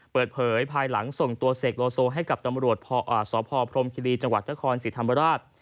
เปิดเผยภายหลังส่งตัวเสกโลโซให้กับตำรวจสพพรมคิรีจังหวัดนครศรีธรรมราช